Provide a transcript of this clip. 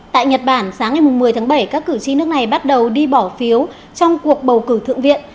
tại nhật bản sáng ngày một mươi tháng bảy các cử tri nước này bắt đầu đi bỏ phiếu trong cuộc bầu cử thượng viện